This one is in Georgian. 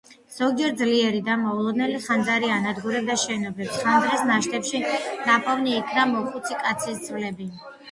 ზოგჯერ ძლიერი და მოულოდნელი ხანძარი ანადგურებდა შენობებს, ხანძრის ნაშთებში ნაპოვნი იქნა მოხუცი კაცის ძვლები.